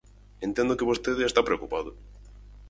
Entendo que vostede está preocupado.